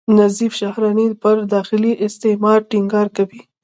نظیف شهراني پر داخلي استعمار ټینګار کوي.